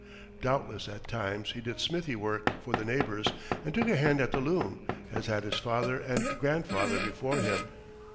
Doubtless at times he did smithy work for the neighbors and took a hand at the loom, as had his father and grandfather before him.